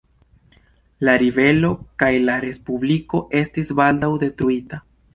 La ribelo kaj la respubliko estis baldaŭ detruita.